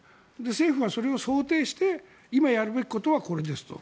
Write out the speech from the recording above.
政府がそれを想定して今やるべきことはこれですと。